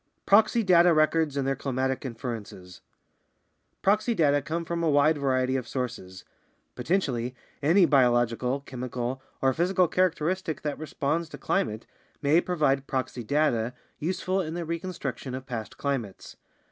Proxy Data Records and Their Climatic Inferences Proxy data come from a wide variety of sources; potentially, any bio logical, chemical, or physical characteristic that responds to climate may provide proxy data useful in the reconstruction of past climates.